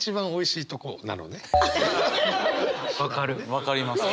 分かります。